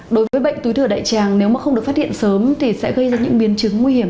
đối với bệnh túi thừa đại tràng nếu mà không được phát hiện sớm thì sẽ gây ra những biến chứng nguy hiểm